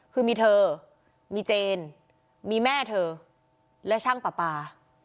คือมีเธอมีเจนมีแม่เธอและช่างปลาปลา